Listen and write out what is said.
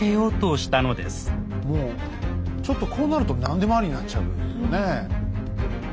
もうちょっとこうなると何でもありになっちゃうね。